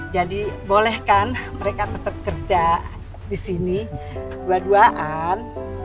jadi boleh kan mereka tetap kerja di sini dua duaan